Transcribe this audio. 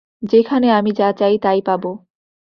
যেখানে আমি যা চাই তা-ই পাব।